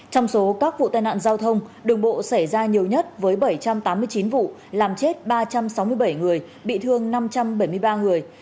trong số các vụ tai nạn giao thông đường bộ xảy ra nhiều nhất với bảy trăm tám mươi chín vụ làm chết ba trăm sáu mươi bảy người bị thương năm trăm bảy mươi ba người